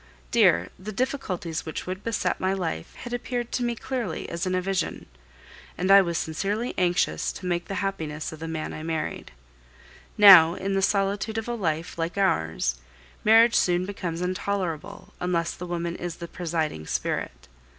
Dear, the difficulties which would beset my life had appeared to me clearly as in a vision, and I was sincerely anxious to make the happiness of the man I married. Now, in the solitude of a life like ours, marriage soon becomes intolerable unless the woman is the presiding spirit.